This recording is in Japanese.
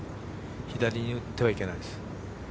左に打ってはいけないです。